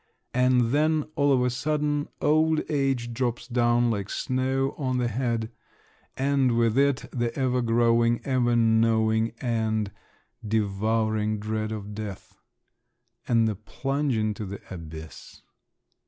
And then, all of a sudden, old age drops down like snow on the head, and with it the ever growing, ever gnawing, and devouring dread of death … and the plunge into the abyss!